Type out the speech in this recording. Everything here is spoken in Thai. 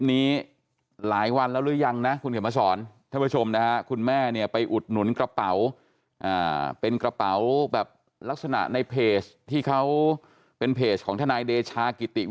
ไม่ได้แคร์ความรู้สึกของแม่เพียงคนเดียว